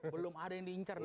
belum ada yang diincer nih